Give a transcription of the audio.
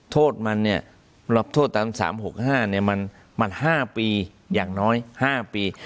โทษมันเนี่ยรับโทษตาม๓๖๕มัน๕ปีอย่างน้อย๕ปี